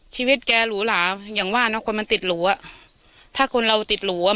ชีวิตแกหรูหลาอย่างว่าเนอะคนมันติดหรูอ่ะถ้าคนเราติดหรูอ่ะ